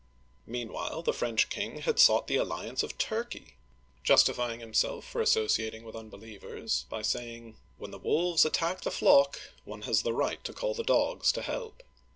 Meanwhile, the French king had sought the alliance of Turkey, justifying himself for associating with unbelievers by saying :" When the wolves attack the flock, one has the right to call the dogs to help